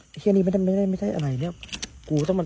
แค่นี้ไม่ได้ไม่ได้ไม่ได้ไม่ได้อะไรเนี้ยกูต้องมัน